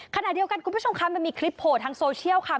ขณะเดียวกันคุณผู้ชมคะมันมีคลิปโผล่ทางโซเชียลค่ะ